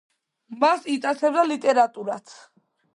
მას იტაცებდა ლიტერატურაც.